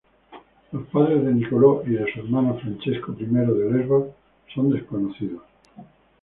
Los padres de Niccolò y de su hermano Francesco I de Lesbos son desconocidos.